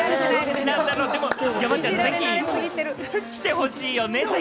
山ちゃん、でもぜひ来てほしいよね。